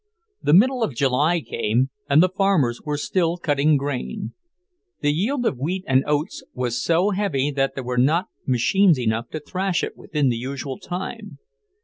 The middle of July came, and the farmers were still cutting grain. The yield of wheat and oats was so heavy that there were not machines enough to thrash it within the usual time.